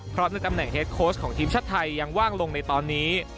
เพราะในตำแหนเฮดโค้ชของทีมชาติไทยยังว่างลงในตอนนี้